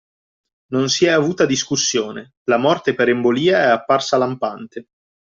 Non si è avuta discussione: la morte per embolia è apparsa lampante.